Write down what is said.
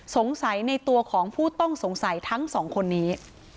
สงสัยในตัวของผู้ต้องสงสัยทั้งสองคนนี้